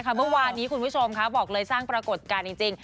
เมื่อวานนี้คุณผู้ชมค่ะบอกเลยสร้างปรากฏการณ์จริง